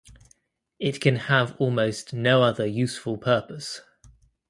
It can have almost no other useful purpose.